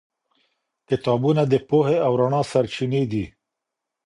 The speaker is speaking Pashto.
کتابونه د پوهې او رڼا سرچینې دي.